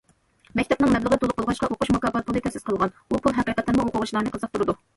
مەكتەپنىڭ مەبلىغى تولۇق بولغاچقا، ئوقۇش مۇكاپات پۇلى تەسىس قىلغان، بۇ پۇل ھەقىقەتەنمۇ ئوقۇغۇچىلارنى قىزىقتۇرىدۇ.